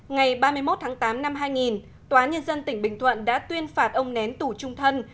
ngày ba mươi một tháng tám năm hai nghìn tòa nhân dân tỉnh bình thuận đã tuyên phạt ông nén tù trung thân